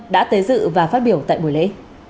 đã tế dự và phát biểu tại buổi lễ